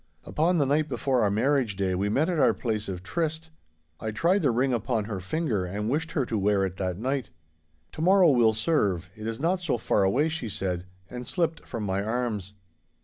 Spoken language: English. Upon the night before our marriage day we met at our place of tryst. I tried the ring upon her finger ard wished her to wear it that night. 'To morrow will serve—it is not so far away!' she said, and slipped from my arms.